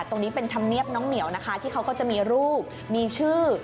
ตรงนี้เป็นธรรมเนียบน้องเหมียวนะคะที่เขาก็จะมีรูปมีชื่อ